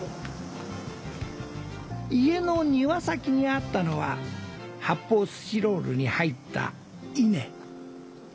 家の庭先にあったのは発泡スチロールに入った稲。